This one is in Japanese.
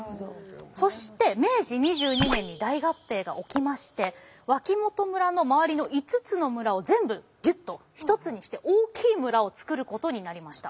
そして明治２２年に大合併が起きまして脇本村の周りの５つの村を全部ギュッと一つにして大きい村を作ることになりました。